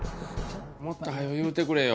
もっと早よ言うてくれよ。